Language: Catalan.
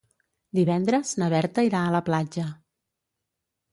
Divendres na Berta irà a la platja.